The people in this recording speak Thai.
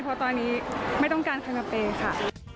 เพราะตอนนี้ไม่ต้องการคางาเปย์ค่ะ